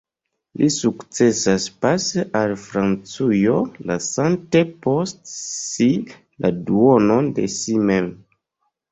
Li sukcesas pasi al Francujo, lasante post si la duonon de si mem.